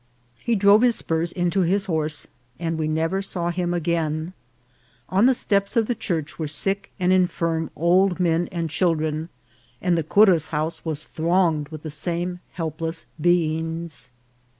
He drove his spurs into his horse, and we never saw him again. On the steps of the church were sick and infirm old men and children, and the cura's house was thronged with the A TOWN DESERTED. 73 same helpless beings.